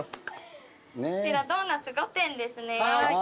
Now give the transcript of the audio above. こちらドーナツ５点ですね。